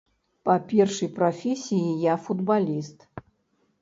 Па першай прафесіі я футбаліст.